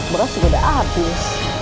bros juga udah abis